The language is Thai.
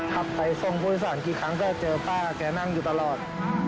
ขับไปทรงพฤษศาลกี่ครั้งก็เจอป้ากับแกนั่งอยู่ตลอด